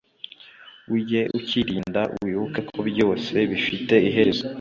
ujye ukirinda, wibuke ko byose bifite iherezo.